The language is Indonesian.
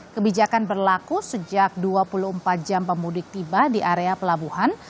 kebijakan berlaku sejak dua puluh empat jam pemudik tiba di area pelabuhan